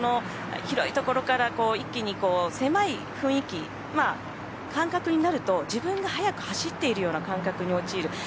広いところから一気に狭い雰囲気感覚になると自分が速く走っているような感覚に陥る。